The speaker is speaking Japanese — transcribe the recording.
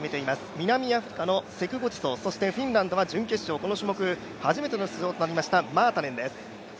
南アフリカのセクゴディソ、そしてフィンランドが、この種目初めての出場となりました、マータネンです。